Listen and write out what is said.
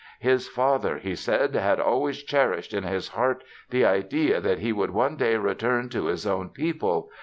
"His father," he said, "had always cherished in his heart the idea that he would one day return to his own people.